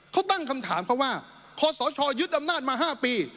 เขาตั้งคำถามเขาว่าพอสรชอยึดอำนาจมาห้าปี